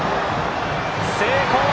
成功！